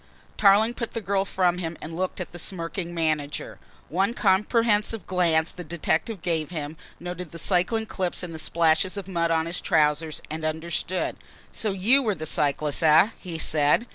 Tarling put the girl from him and looked at the smirking manager. One comprehensive glance the detective gave him, noted the cycling clips and the splashes of mud on his trousers, and understood. "So you were the cyclist, eh?" he said.